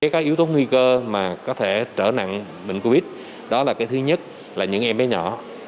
các yếu tố nguy cơ mà có thể trở nặng bệnh covid đó là thứ nhất là những em bé nhỏ